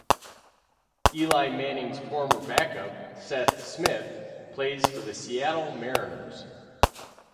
Eli Manning's former backup, Seth Smith, plays for the Seattle Mariners.